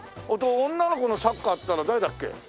女の子のサッカーっていったら誰だっけ？